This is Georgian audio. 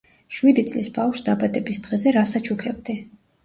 შვიდი წლის ბავშვს დაბადების დღეზე რას აჩუქებდი?